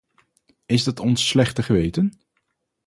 Is dat ons slechte geweten?